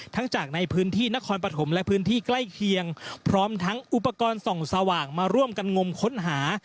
จากในพื้นที่นครปฐมและพื้นที่ใกล้เคียงพร้อมทั้งอุปกรณ์ส่องสว่างมาร่วมกันงมค้นหา